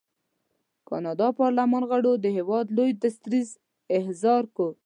د کاناډا پارلمان غړو د هېواد لوی درستیز احضار کړی.